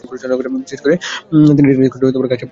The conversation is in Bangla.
বিশেষ করে তিনি টেনিস কোর্টের ঘাসের পরিচর্যা করতেন।